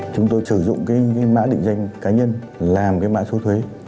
chúng tôi sử dụng cái mã định danh cá nhân làm cái mã số thuế